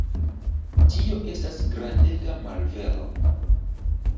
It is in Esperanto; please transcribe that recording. Tio estas grandega malvero.